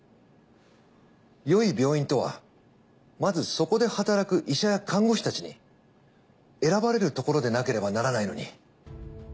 よい病院とはまずそこで働く医者や看護師たちに選ばれるところでなければならないのに。